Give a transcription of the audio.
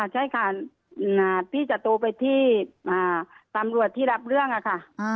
ใช่ค่ะพี่จะโทรไปที่ตำรวจที่รับเรื่องค่ะ